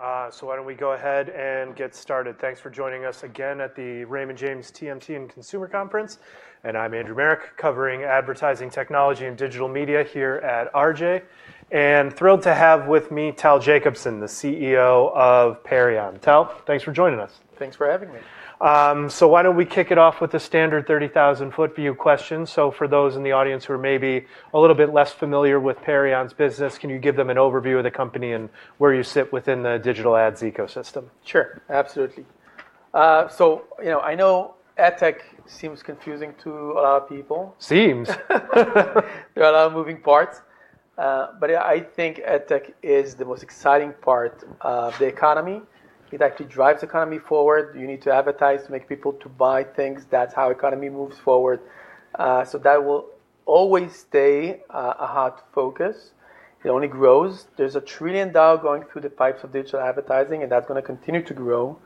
All right, so why don't we go ahead and get started? Thanks for joining us again at the Raymond James TMT and Consumer Conference. I'm Andrew Marok, covering Advertising Technology and Digital Media here at RJ. And thrilled to have with me Tal Jacobson, the CEO of Perion. Tal, thanks for joining us. Thanks for having me. Why don't we kick it off with the standard 30,000-foot view question? For those in the audience who are maybe a little bit less familiar with Perion's business, can you give them an overview of the company and where you sit within the digital ads ecosystem? Sure, absolutely. So I adtech seems confusing to a lot of people. Seems. There are a lot of moving parts, but I think adtech is the most exciting part of the economy. It actually drives the economy forward. You need to advertise to make people buy things. That's how the economy moves forward, so that will always stay a hot focus. It only grows. There's $1 trillion going through the pipes of digital advertising, and that's going to continue to grow.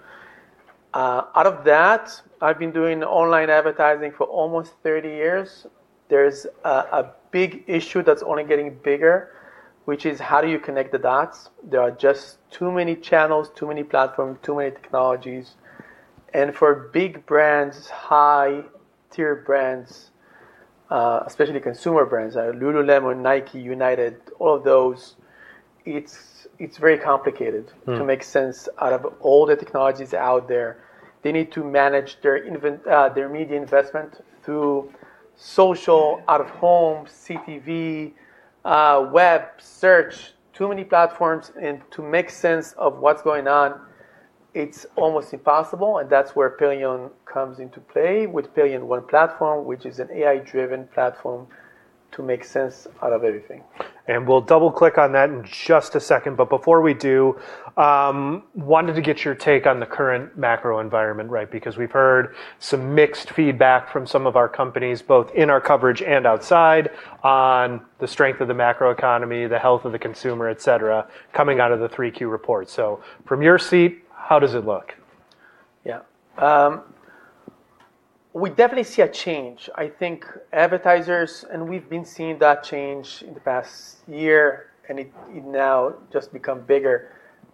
Out of that, I've been doing online advertising for almost 30 years. There's a big issue that's only getting bigger, which is how do you connect the dots? There are just too many channels, too many platforms, too many technologies, and for big brands, high-tier brands, especially consumer brands like Lululemon, Nike, United, all of those, it's very complicated to make sense out of all the technologies out there. They need to manage their media investment through social, Out-of-Home, CTV, web, search, too many platforms, and to make sense of what's going on, it's almost impossible, and that's where Perion comes into play with Perion One Platform, which is an AI-driven platform to make sense out of everything. We'll double-click on that in just a second. Before we do, wanted to get your take on the current macro environment, right? Because we've heard some mixed feedback from some of our companies, both in our coverage and outside, on the strength of the macro economy, the health of the consumer, et cetera, coming out of the 3Q report. From your seat, how does it look? Yeah. We definitely see a change. I think advertisers, and we've been seeing that change in the past year, and it now just become bigger.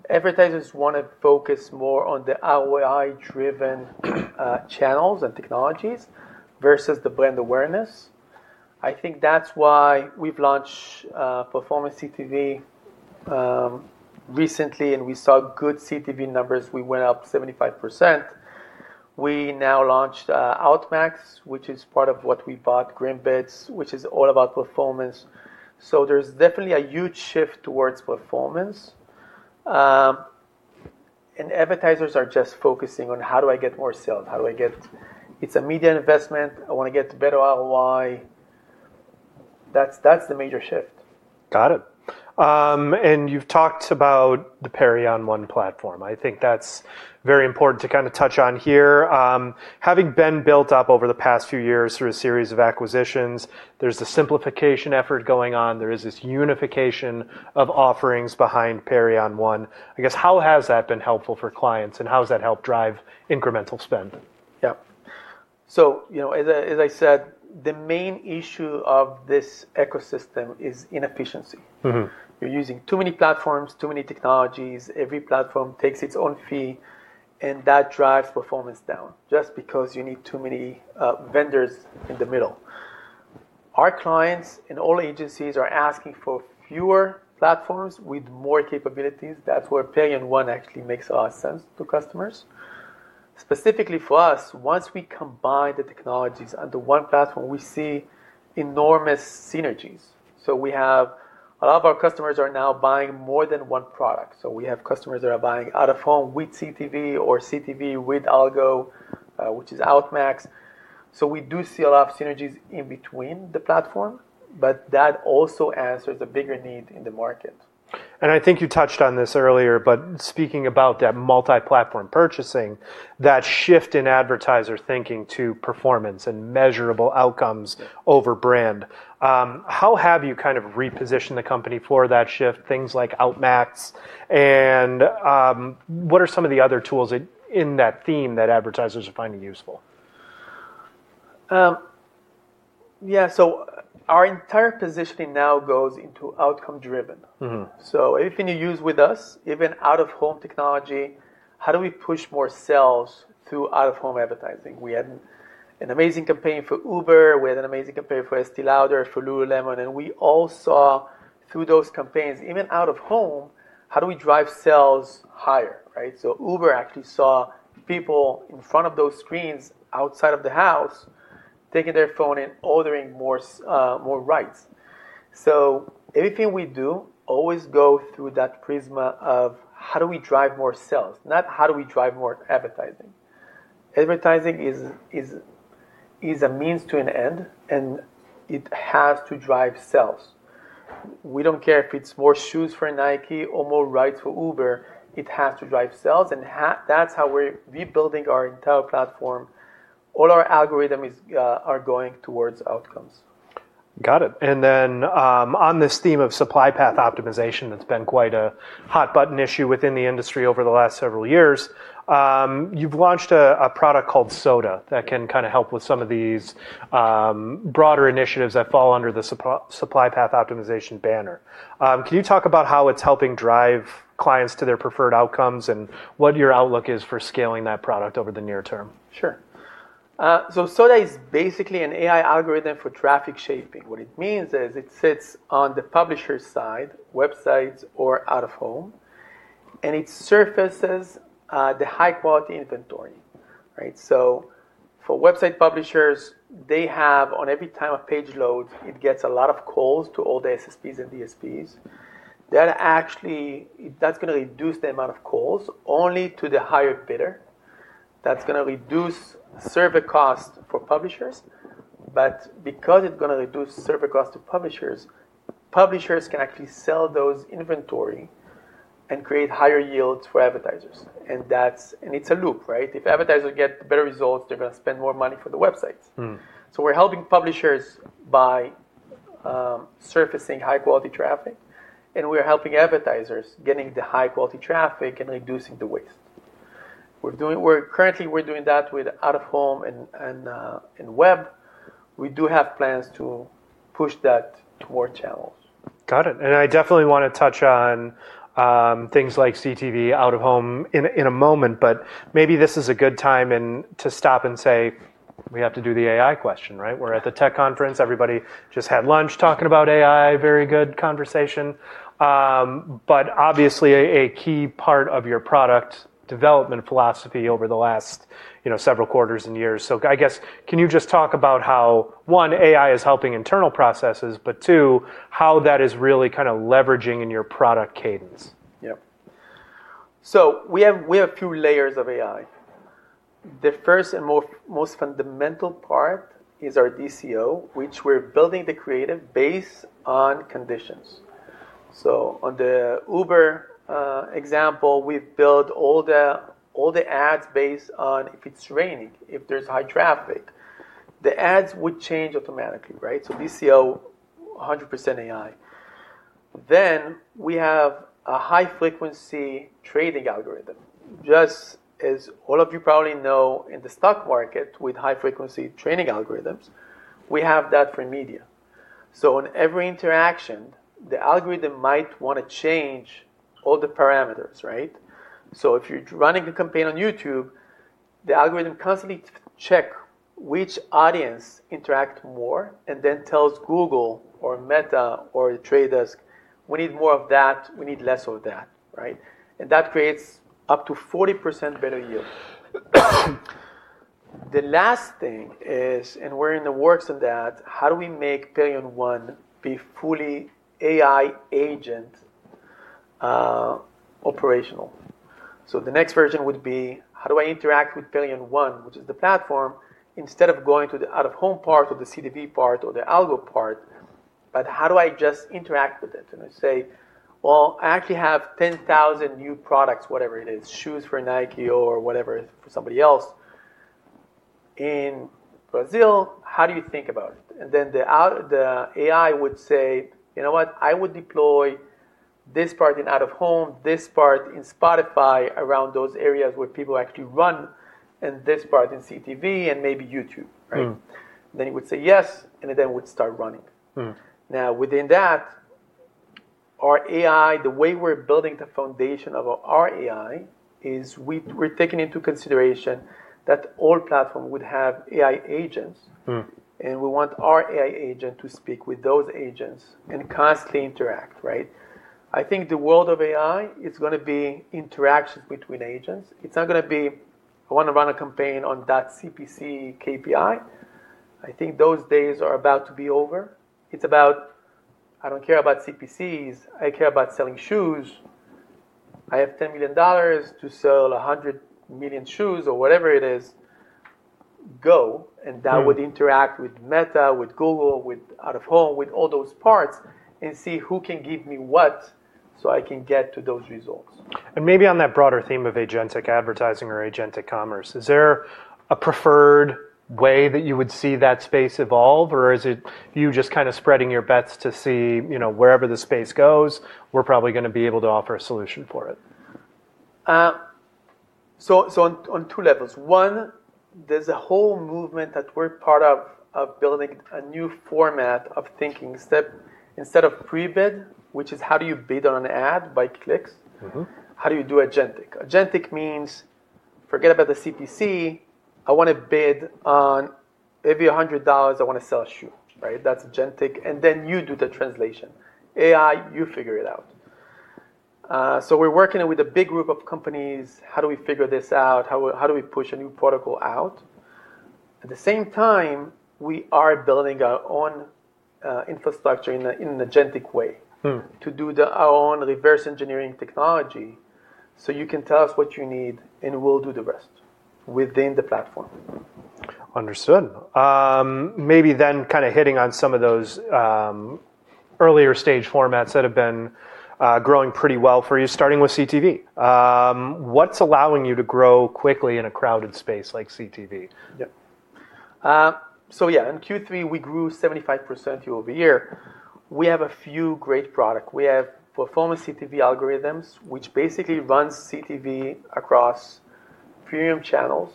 Advertisers want to focus more on the ROI-driven channels and technologies versus the brand awareness. I think that's why we've launched Performance CTV recently, and we saw good CTV numbers. We went up 75%. We now launched Outmax, which is part of what we bought, Greenbids, which is all about performance. So there's definitely a huge shift towards performance. Advertisers are just focusing on how do I get more sales? How do I get? It's a media investment. I want to get better ROI. That's the major shift. Got it. And you've talked about the Perion One platform. I think that's very important to kind of touch on here. Having been built up over the past few years through a series of acquisitions, there's a simplification effort going on. There is this unification of offerings behind Perion One. I guess, how has that been helpful for clients, and how has that helped drive incremental spend? Yeah. So as I said, the main issue of this ecosystem is inefficiency. You're using too many platforms, too many technologies. Every platform takes its own fee, and that drives performance down just because you need too many vendors in the middle. Our clients and all agencies are asking for fewer platforms with more capabilities. That's where Perion One actually makes a lot of sense to customers. Specifically for us, once we combine the technologies under one platform, we see enormous synergies. We have a lot of our customers are now buying more than one product. So we have customers that are buying Out-of-Home with CTV or CTV with algo, which is Outmax. So we do see a lot of synergies in between the platform, but that also answers a bigger need in the market. And I think you touched on this earlier, but speaking about that multi-platform purchasing, that shift in advertiser thinking to performance and measurable outcomes over brand, how have you kind of repositioned the company for that shift, things like Outmax? And what are some of the other tools in that theme that advertisers are finding useful? Yeah. So our entire positioning now goes into outcome-driven. Everything you use with us, even Out-of-Home technology, how do we push more sales through Out-of-Home advertising? We had an amazing campaign for Uber. We had an amazing campaign for Estée Lauder, for Lululemon. And we all saw through those campaigns, even Out-of-Home, how do we drive sales higher, right? Uber actually saw people in front of those screens outside of the house taking their phone and ordering more rides. Everything we do always goes through that prisma of how do we drive more sales, not how do we drive more advertising. Advertising is a means to an end, and it has to drive sales. We don't care if it's more shoes for Nike or more rides for Uber. It has to drive sales. And that's how we're rebuilding our entire platform. All our algorithms are going towards outcomes. Got it. And then on this theme of supply path optimization, that's been quite a hot-button issue within the industry over the last several years. You've launched a product called SODA that can kind of help with some of these broader initiatives that fall under the supply path optimization banner. Can you talk about how it's helping drive clients to their preferred outcomes and what your outlook is for scaling that product over the near term? Sure. SODA is basically an AI algorithm for traffic shaping. What it means is it sits on the publisher's side, websites or Out-of-Home, and it surfaces the high-quality inventory, right? For website publishers, they have on every time a page loads, it gets a lot of calls to all the SSPs and DSPs. That actually is going to reduce the amount of calls only to the higher bidder. That's going to reduce server costs for publishers. But because it's going to reduce server costs to publishers, publishers can actually sell those inventory and create higher yields for advertisers. It's a loop, right? If advertisers get better results, they're going to spend more money for the websites. We're helping publishers by surfacing high-quality traffic, and we're helping advertisers getting the high-quality traffic and reducing the waste. Currently, we're doing that with Out-of-Home and web. We do have plans to push that toward channels. Got it. And I definitely want to touch on things like CTV, Out-of-Home in a moment, but maybe this is a good time to stop and say we have to do the AI question, right? We're at the tech conference. Everybody just had lunch talking about AI, very good conversation. But obviously, a key part of your product development philosophy over the last several quarters and years. So I guess, can you just talk about how, one, AI is helping internal processes, but two, how that is really kind of leveraging in your product cadence? Yeah. So we have a few layers of AI. The first and most fundamental part is our DCO, which we're building the creative based on conditions. On the Uber example, we've built all the ads based on if it's raining, if there's high traffic. The ads would change automatically, right? DCO, 100% AI. Then we have a high-frequency trading algorithm. Just as all of you probably know, in the stock market with high-frequency trading algorithms, we have that for media. On every interaction, the algorithm might want to change all the parameters, right? So if you're running a campaign on YouTube, the algorithm constantly checks which audience interacts more and then tells Google or Meta or The Trade Desk, "We need more of that. We need less of that," right? And that creates up to 40% better yield. The last thing is, and we're in the works on that, how do we make Perion One be fully AI agent operational? The next version would be, how do I interact with Perion One, which is the platform, instead of going to the Out-of-Home part or the CTV part or the algo part? But how do I just interact with it? And I say, "Well, I actually have 10,000 new products, whatever it is, shoes for Nike or whatever for somebody else in Brazil. How do you think about it?" And then the AI would say, "You know what? I would deploy this part in Out-of-Home, this part in Spotify around those areas where people actually run, and this part in CTV and maybe YouTube," right? Then it would say yes, and then it would start running. Now, within that, our AI, the way we're building the foundation of our AI is we're taking into consideration that all platforms would have AI agents, and we want our AI agent to speak with those agents and constantly interact, right? I think the world of AI is going to be interactions between agents. It's not going to be, "I want to run a campaign on that CPC KPI." I think those days are about to be over. It's about, "I don't care about CPCs. I care about selling shoes. I have $10 million to sell 100 million shoes or whatever it is. Go," and that would interact with Meta, with Google, with Out-of-Home, with all those parts and see who can give me what so I can get to those results. Maybe on that broader theme of agentic advertising or agentic commerce, is there a preferred way that you would see that space evolve, or is it you just kind of spreading your bets to see wherever the space goes? We're probably going to be able to offer a solution for it. On two levels. One, there's a whole movement that we're part of building a new format of thinking. Instead of Prebid, which is how do you bid on an ad by clicks? How do you do agentic? Agentic means forget about the CPC. I want to bid on every $100. I want to sell a shoe, right? That's agentic. And then you do the translation. AI, you figure it out. So we're working with a big group of companies. How do we figure this out? How do we push a new protocol out? At the same time, we are building our own infrastructure in an agentic way to do our own reverse engineering technology. So you can tell us what you need, and we'll do the rest within the platform. Understood. Maybe then kind of hitting on some of those earlier stage formats that have been growing pretty well for you, starting with CTV. What's allowing you to grow quickly in a crowded space like CTV? Yeah. So yeah, in Q3, we grew 75% year over year. We have a few great products. We have Performance CTV algorithms, which basically runs CTV across premium channels,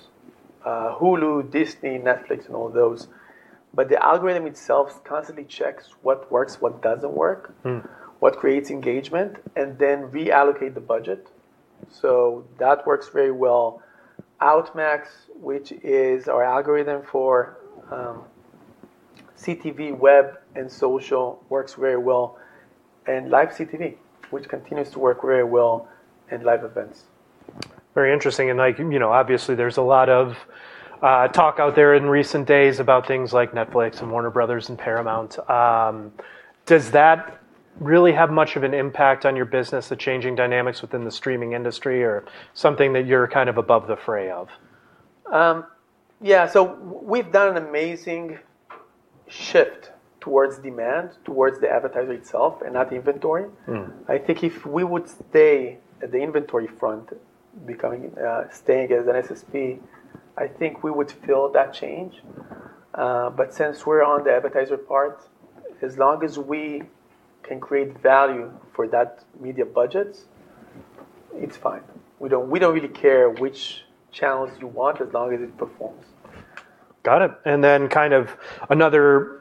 Hulu, Disney, Netflix, and all those. The algorithm itself constantly checks what works, what doesn't work, what creates engagement, and then reallocate the budget. That works very well. Outmax, which is our algorithm for CTV, web, and social, works very well. And Live CTV, which continues to work very well in live events. Very interesting. And obviously, there's a lot of talk out there in recent days about things like Netflix and Warner Bros. and Paramount. Does that really have much of an impact on your business, the changing dynamics within the streaming industry, or something that you're kind of above the fray of? Yeah. So we've done an amazing shift towards demand, towards the advertiser itself and not inventory. I think if we would stay at the inventory front, staying as an SSP, I think we would feel that change. But since we're on the advertiser part, as long as we can create value for that media budget, it's fine. We don't really care which channels you want as long as it performs. Got it. And then kind of another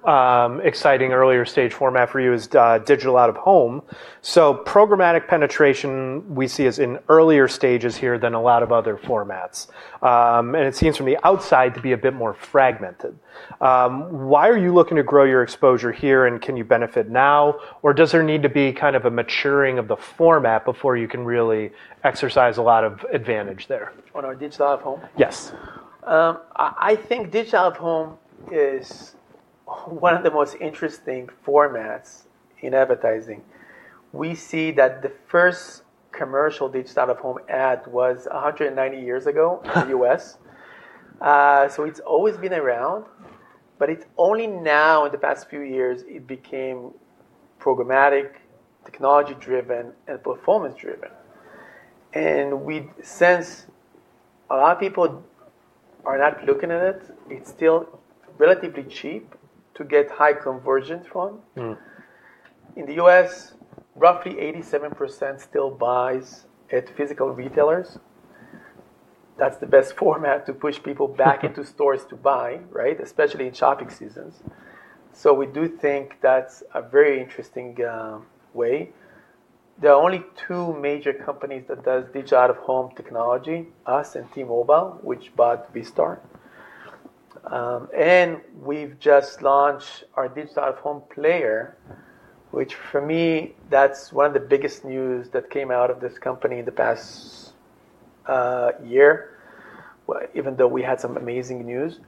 exciting earlier stage format for you is Digital Out-of-Home. Programmatic penetration we see as in earlier stages here than a lot of other formats. And it seems from the outside to be a bit more fragmented. Why are you looking to grow your exposure here, and can you benefit now, or does there need to be kind of a maturing of the format before you can really exercise a lot of advantage there? On our Digital Out-of-Home? Yes. I think Digital Out-of-Home is one of the most interesting formats in advertising. We see that the first commercial Digital Out-of-Home ad was 190 years ago in the U.S. so it's always been around, but it's only now in the past few years it became programmatic, technology-driven, and performance-driven, and since a lot of people are not looking at it, it's still relatively cheap to get high conversions from. In the U.S. roughly 87% still buys at physical retailers. That's the best format to push people back into stores to buy, right, especially in shopping seasons, so we do think that's a very interesting way. There are only two major companies that do Digital Out-of-Home technology, us and T-Mobile, which bought Vistar. We've just launched our Digital Out-of-Home player, which for me, that's one of the biggest news that came out of this company in the past year, even though we had some amazing news.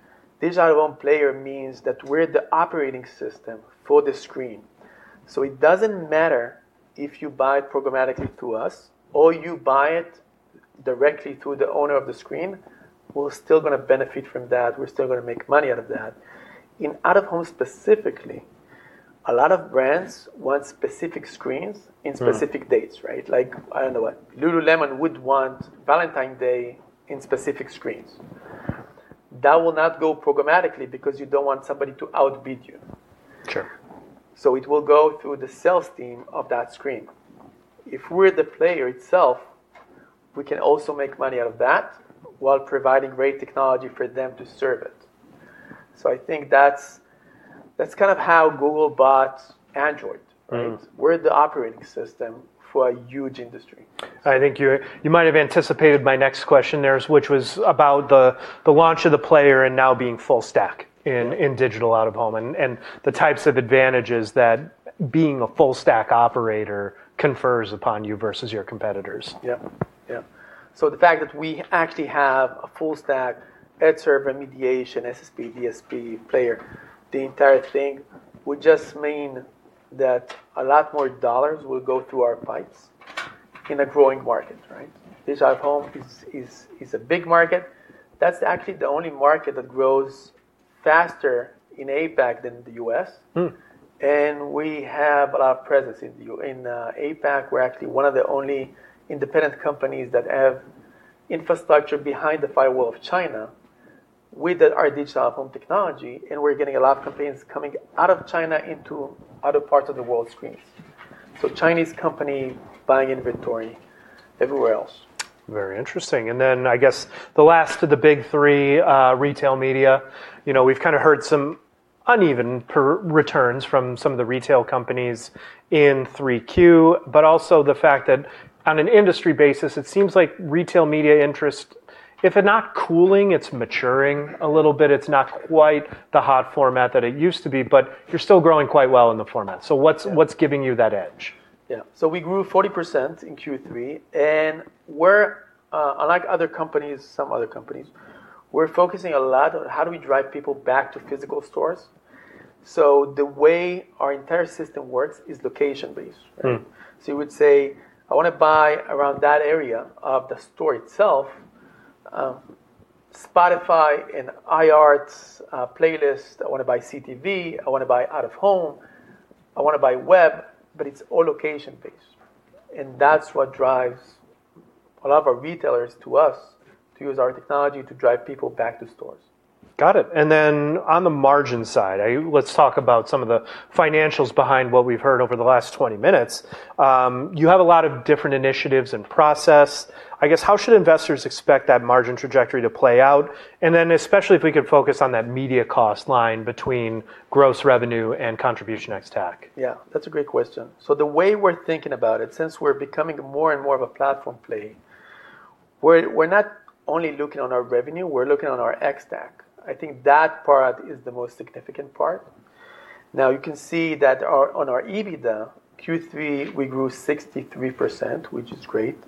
Digital Out-of-Home player means that we're the operating system for the screen. It doesn't matter if you buy it programmatically through us or you buy it directly through the owner of the screen. We're still going to benefit from that. We're still going to make money out of that. In Out-of-Home specifically, a lot of brands want specific screens in specific dates, right? Like I don't know what. Lululemon would want Valentine's Day in specific screens. That will not go programmatically because you don't want somebody to outbid you. Sure. It will go through the sales team of that screen. If we're the player itself, we can also make money out of that while providing great technology for them to serve it. So I think that's kind of how Google bought Android, right? We're the operating system for a huge industry. I think you might have anticipated my next question there, which was about the launch of the player and now being full stack in Digital Out-of-Home and the types of advantages that being a full stack operator confers upon you versus your competitors. Yeah. Yeah. So the fact that we actually have a full stack edge server mediation, SSP, DSP player, the entire thing would just mean that a lot more dollars will go through our pipes in a growing market, right? Digital Out-of-Home is a big market. That's actually the only market that grows faster in APAC than the U.S. and we have a lot of presence in APAC. We're actually one of the only independent companies that have infrastructure behind the firewall of China with our Digital Out-of-Home technology, and we're getting a lot of companies coming out of China into other parts of the world screens, so Chinese company buying inventory everywhere else. Very interesting. And then I guess the last of the big three retail media, we've kind of heard some uneven returns from some of the retail companies in 3Q, but also the fact that on an industry basis, it seems like retail media interest, if it's not cooling, it's maturing a little bit. It's not quite the hot format that it used to be, but you're still growing quite well in the format. So what's giving you that edge? Yeah. So we grew 40% in Q3. And unlike some other companies, we're focusing a lot on how do we drive people back to physical stores. The way our entire system works is location-based, right? So you would say, "I want to buy around that area of the store itself, Spotify and iHeart playlist. I want to buy CTV. I want to buy Out-of-Home. I want to buy web," but it's all location-based. And that's what drives a lot of our retailers to us to use our technology to drive people back to stores. Got it. And then on the margin side, let's talk about some of the financials behind what we've heard over the last 20 minutes. You have a lot of different initiatives and process. I guess how should investors expect that margin trajectory to play out? And then especially if we could focus on that media cost line between gross revenue and contribution ex-TAC. Yeah. That's a great question. So the way we're thinking about it, since we're becoming more and more of a platform play, we're not only looking on our revenue. We're looking on our ex-TAC. I think that part is the most significant part. Now, you can see that on our EBITDA, Q3, we grew 63%, which is great.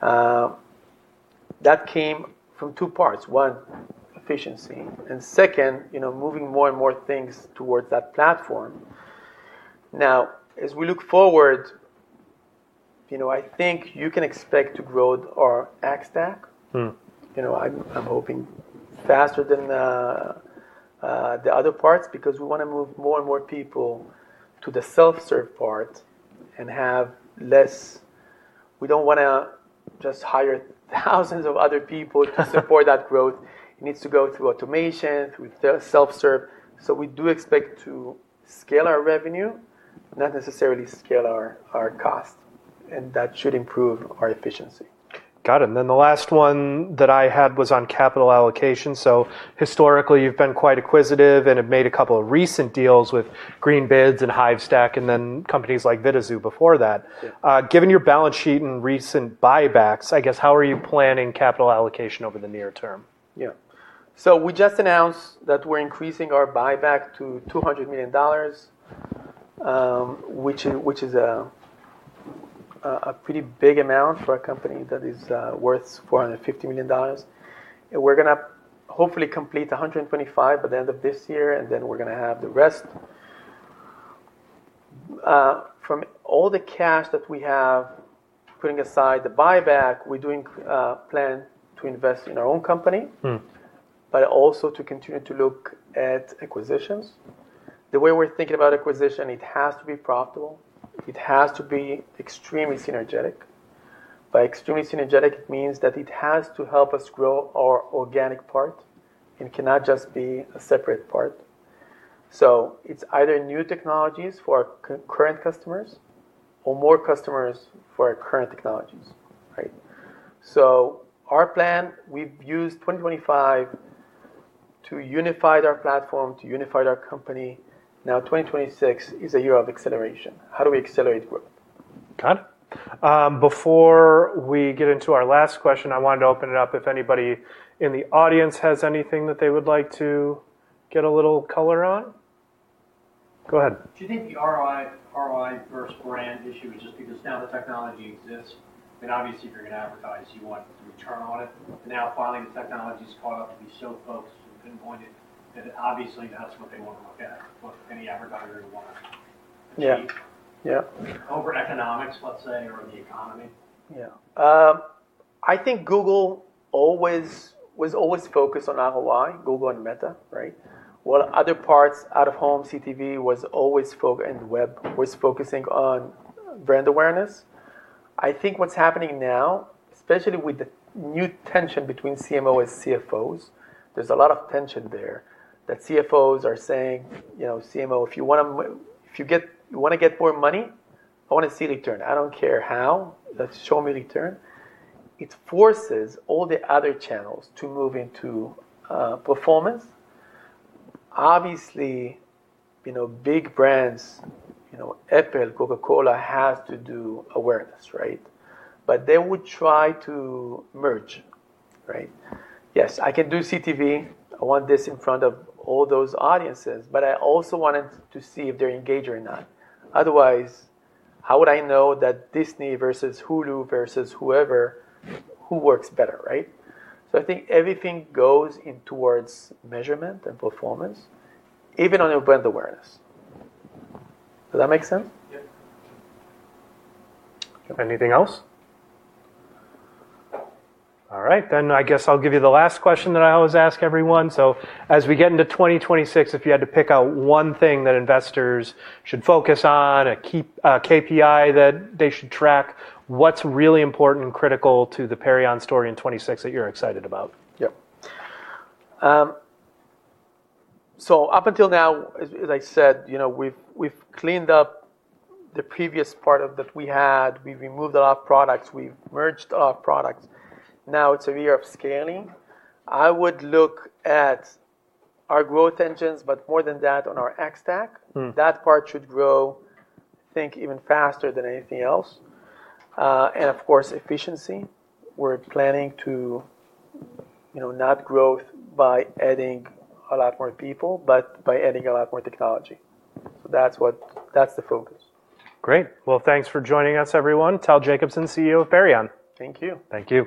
That came from two parts. One, efficiency. And second, moving more and more things towards that platform. Now, as we look forward, I think you can expect to grow our ex-TAC. I'm hoping faster than the other parts because we want to move more and more people to the self-serve part and have less. We don't want to just hire thousands of other people to support that growth. It needs to go through automation, through self-serve. So we do expect to scale our revenue, not necessarily scale our cost, and that should improve our efficiency. Got it. And then the last one that I had was on capital allocation. So historically, you've been quite acquisitive and have made a couple of recent deals with Greenbids and Hivestack and then companies like Vidazoo before that. Given your balance sheet and recent buybacks, I guess how are you planning capital allocation over the near term? Yeah. So we just announced that we're increasing our buyback to $200 million, which is a pretty big amount for a company that is worth $450 million. We're going to hopefully complete $125 million by the end of this year, and then we're going to have the rest. From all the cash that we have, putting aside the buyback, we do plan to invest in our own company, but also to continue to look at acquisitions. The way we're thinking about acquisition, it has to be profitable. It has to be extremely synergetic. By extremely synergetic, it means that it has to help us grow our organic part and cannot just be a separate part. So it's either new technologies for our current customers or more customers for our current technologies, right? So our plan, we've used 2025 to unify our platform, to unify our company. Now, 2026 is a year of acceleration. How do we accelerate growth? Got it. Before we get into our last question, I wanted to open it up. If anybody in the audience has anything that they would like to get a little color on, go ahead. Do you think the ROI versus brand issue is just because now the technology exists? I mean, obviously, if you're going to advertise, you want return on it. But now, finally, the technology's caught up to be so focused and pinpointed that obviously, that's what they want to look at, what any advertiser would want to achieve. Yeah. Yeah. Over economics, let's say, or the economy? Yeah. I think Google was always focused on ROI, Google and Meta, right? While other parts, Out-of-Home, CTV was always focused and web was focusing on brand awareness. I think what's happening now, especially with the new tension between CMOs and CFOs, there's a lot of tension there that CFOs are saying, "CMO, if you want to get more money, I want to see return. I don't care how. Let's show me return." It forces all the other channels to move into performance. Obviously, big brands, Apple, Coca-Cola has to do awareness, right? They would try to merge, right? Yes, I can do CTV. I want this in front of all those audiences, but I also want to see if they're engaged or not. Otherwise, how would I know that Disney versus Hulu versus whoever who works better, right? So I think everything goes in towards measurement and performance, even on brand awareness. Does that make sense? Yeah. Anything else? All right. Then I guess I'll give you the last question that I always ask everyone. As we get into 2026, if you had to pick out one thing that investors should focus on, a KPI that they should track, what's really important and critical to the Perion story in 2026 that you're excited about? Yeah. So up until now, as I said, we've cleaned up the previous part that we had. We've removed a lot of products. We've merged a lot of products. Now it's a year of scaling. I would look at our growth engines, but more than that, on our ex-TAC. That part should grow, I think, even faster than anything else. And of course, efficiency. We're planning to not grow by adding a lot more people, but by adding a lot more technology. So that's the focus. Great. Well, thanks for joining us, everyone. Tal Jacobson, CEO of Perion. Thank you. Thank you.